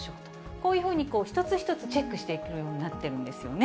こういうふうに、一つ一つチェックしていくようになってるんですね。